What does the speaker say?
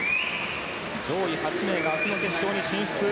上位８名が明日の決勝に進出。